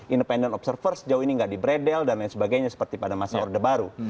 independent observer sejauh ini nggak di bredel dan lain sebagainya seperti pada masa orde baru